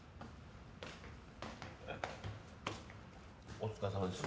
お疲れさまです。